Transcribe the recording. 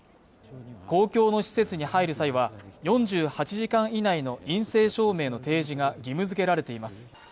公共の施設に入る際は４８時間以内の陰性証明の提示が義務づけられています。